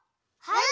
はい！